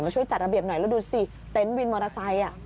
มาช่วยจัดระเบียบหน่อยดูซิเต็นซ์วินโมทอไซต์